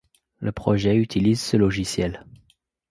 Le projet utilise ce logiciel.